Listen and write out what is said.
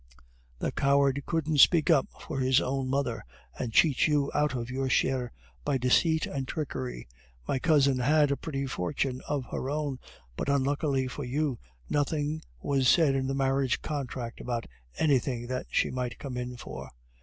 The coward couldn't speak up for his own mother, and cheats you out of your share by deceit and trickery. My cousin had a pretty fortune of her own, but unluckily for you, nothing was said in the marriage contract about anything that she might come in for."